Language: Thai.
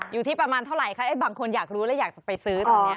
อยู่ที่ประมาณเท่าไหร่คะบางคนอยากรู้และอยากจะไปซื้อตรงนี้